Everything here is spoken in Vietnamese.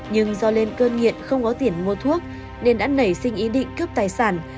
nhưng do lên cơn nghiện không có tiền mua thuốc nên đã nảy sinh ý định cướp tài sản